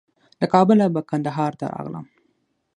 له کابله به کندهار ته راغلم.